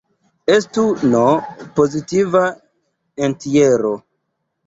Estu "n" pozitiva entjero.